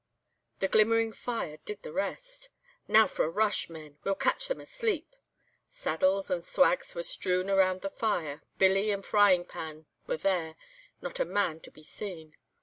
The glimmering fire did the rest. 'Now for a rush, men, we'll catch them asleep.' Saddles and swags were strewn around the fire, billy and frying pan were there, not a man to be seen.